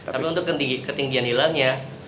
tapi untuk ketinggian hilangnya